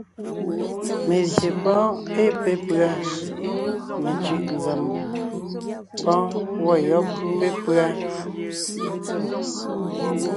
Melyè pɔ́ɔn ée pépʉ́a, mencʉ̀ʼ nzèm pɔ́ɔn gwɔ̂ yɔ́b pépʉ́a.